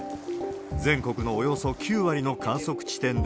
全国のおよそ９割の観測地点で、